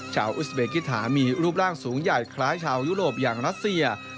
อุสเบกิถามีรูปร่างสูงใหญ่คล้ายชาวยุโรปอย่างรัสเซีย